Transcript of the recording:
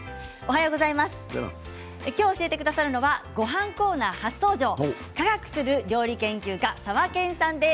今日教えてくださるのはごはんコーナー初登場科学する料理研究家さわけんさんです。